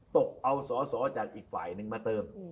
ตกเอาสอสอจากอีกฝ่ายนึงมาเติม